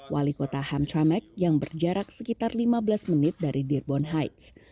wali kota hamtramck yang berjarak sekitar lima belas menit dari dearborn heights